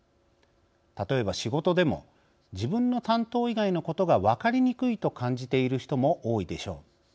例えば仕事でも、自分の担当以外のことが分かりにくいと感じている人も多いでしょう。